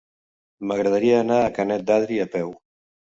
M'agradaria anar a Canet d'Adri a peu.